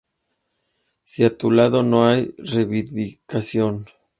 Si a tu lado no hay reivindicación".